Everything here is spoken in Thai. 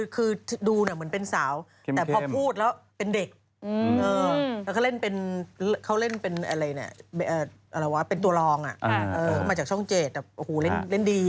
เขาเล่นเป็นตัวรองมาจากช่องเจดเล่นดี